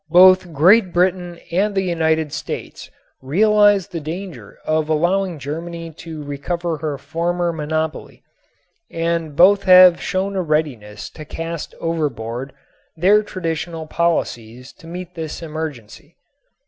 Both Great Britain and the United States realized the danger of allowing Germany to recover her former monopoly, and both have shown a readiness to cast overboard their traditional policies to meet this emergency.